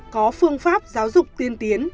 có phương pháp giáo dục tiên tiến